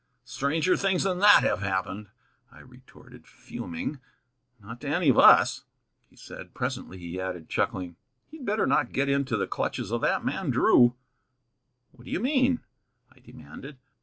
"Stranger things than that have happened," I retorted, fuming. "Not to any of us," he said. Presently he added, chuckling: "He'd better not get into the clutches of that man Drew." "What do you mean?" I demanded.